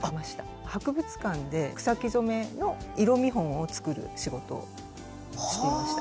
博物館で草木染めの色見本を作る仕事をしていました。